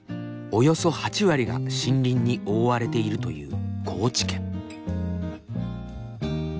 およそ８割が森林に覆われているという高知県。